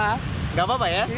nggak apa apa ya